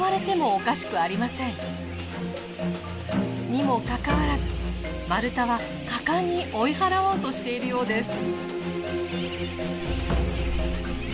にもかかわらずマルタは果敢に追い払おうとしているようです。